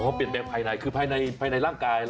พอเปลี่ยนแปลงภายในคือภายในร่างกาย